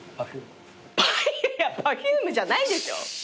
Ｐｅｒｆｕｍｅじゃないでしょ。